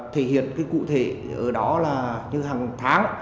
thể hiện cái cụ thể ở đó là như hàng tháng